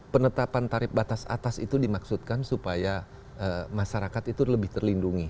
penetapan tarif batas atas itu dimaksudkan supaya masyarakat itu lebih terlindungi